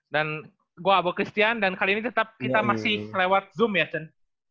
dan gue abu christian dan kali ini kita masih lewat zoom ya cen